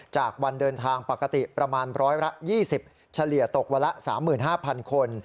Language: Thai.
จากวันเดินทางปกติประมาณร้อยละ๒๐เฉลี่ยตกวันละ๓๕๐๐คน